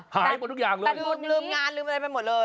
หายหมดทุกอย่างเลย